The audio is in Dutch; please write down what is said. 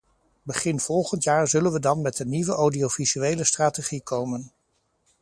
Begin volgend jaar zullen we dan met een nieuwe audiovisuele strategie komen.